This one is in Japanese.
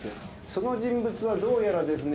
その人物はどうやらですね